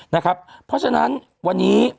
นะครับเพราะฉะนั้นวันนี้